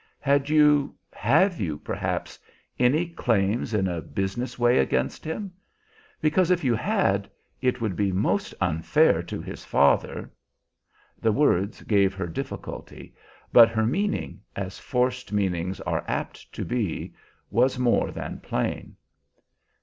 "Had you have you, perhaps any claims in a business way against him? Because, if you had, it would be most unfair to his father" The words gave her difficulty; but her meaning, as forced meanings are apt to be, was more than plain.